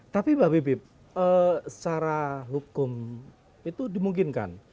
tapi mbak bibip secara hukum itu dimungkinkan